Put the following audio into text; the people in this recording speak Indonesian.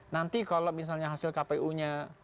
nanti kalau misalnya hasil kpu nya